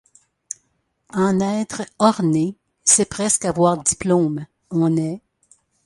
En être orné, c'est presque avoir diplôme ; on est